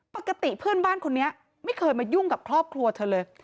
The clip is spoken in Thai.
ปกติเพื่อนบ้านคนนี้ไม่เคยมายุ่งกับครอบครัวเธอเลย